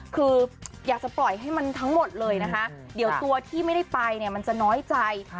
คืออยากจะปล่อยให้มันทั้งหมดเลยนะคะเดี๋ยวตัวที่ไม่ได้ไปเนี่ยมันจะน้อยใจ